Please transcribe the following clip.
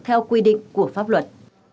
theo quy định của pháp luật